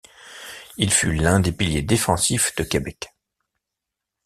Il fut l'un des piliers défensifs de Québec.